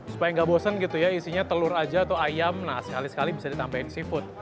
supaya nggak bosen gitu ya isinya telur aja atau ayam nah sekali sekali bisa ditambahin seafood